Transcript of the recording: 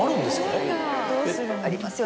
はいありますよ。